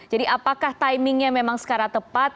jadi apakah timingnya memang sekarang tepat